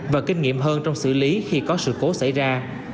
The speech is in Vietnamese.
và kinh nghiệm hơn trong xử lý khi có sự cố xảy ra